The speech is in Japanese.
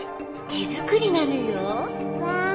手作りなのようわっ！